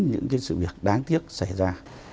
những sự việc đáng tiếc xảy ra